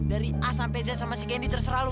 dari a sampe z sama si candy terserah lu